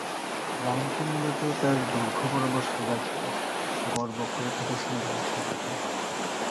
লাইনটি মূলত তার দৈর্ঘ্য বরাবর সোজা ছিল, গড় বক্ররেখাটি ছিল ব্যাসার্ধ।